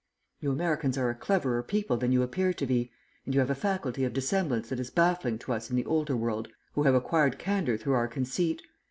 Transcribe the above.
You Americans are a cleverer people than you appear to be, and you have a faculty of dissemblance that is baffling to us in the older world, who have acquired candour through our conceit.